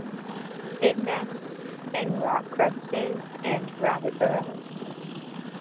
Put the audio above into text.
It nests in rock crevices and rabbit burrows.